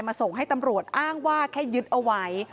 ส่งให้ตำรวจอ้างว่าแค่ยึดเอาไว้